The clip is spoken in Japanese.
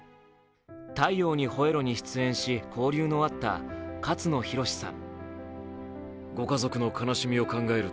「太陽にほえろ！！」に出演し交流のあった勝野洋さん。